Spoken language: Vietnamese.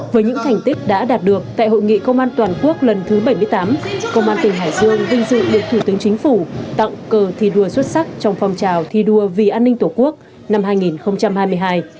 với những thành tích đã đạt được tại hội nghị công an toàn quốc lần thứ bảy mươi tám công an tỉnh hải dương vinh dự được thủ tướng chính phủ tặng cờ thi đua xuất sắc trong phong trào thi đua vì an ninh tổ quốc năm hai nghìn hai mươi hai